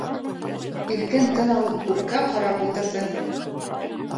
Иркен тын алып күккә ҡарап ултырҙы.